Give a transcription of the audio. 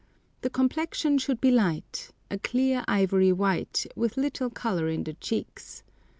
The complexion should be light, a clear ivory white, with little color in the cheeks.